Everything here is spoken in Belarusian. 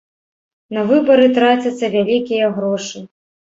На выбары трацяцца вялікія грошы.